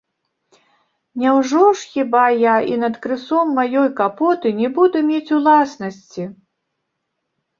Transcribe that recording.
Няўжо ж хіба я і над крысом маёй капоты не буду мець уласнасці?